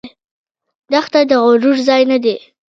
دښته د غرور ځای نه دی.